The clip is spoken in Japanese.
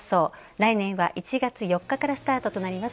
来年は１月４日からスタートとなります。